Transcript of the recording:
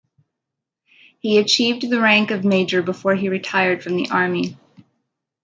He achieved the rank of major before he retired from the army.